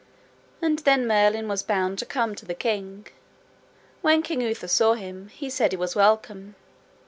And then Merlin was bound to come to the king. When King Uther saw him, he said he was welcome.